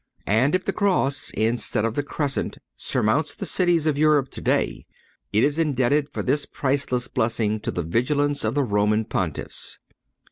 And if the Cross, instead of the Crescent, surmounts the cities of Europe today, it is indebted for this priceless blessing to the vigilance of the Roman Pontiffs.